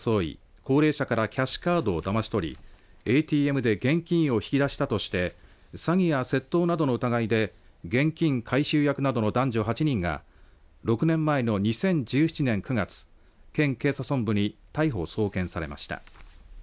高齢者からキャッシュカードをだまし取りＡＴＭで現金を引き出したとして詐欺や窃盗などの疑いで現金回収役などの男女８人が６年前の２０１７年９月県警察本部に逮捕・送検されました。